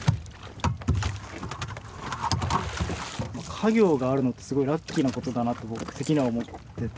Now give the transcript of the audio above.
家業があるのってすごいラッキーなことだなと僕的には思ってて。